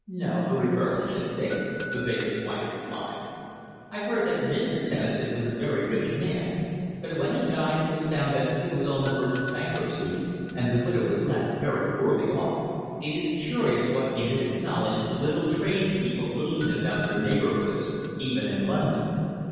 "No the reverse, I should think," the baker's wife replied. "I've heard that Mr. Tennison was a very rich man, but when he died it was found that he was on the verge of bankruptcy, and the widow was left very poorly off." It is curious what intimate knowledge the little tradespeople glean about their neighbours, even in London.